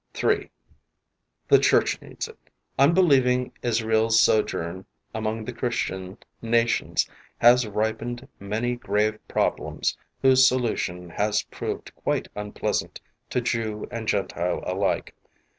3. The Church needs it. Unbelieving Israels' sojourn among the Christian nations has ripened many grave problems whose solution has proved quite unpleasant to Jew and Gentile alike.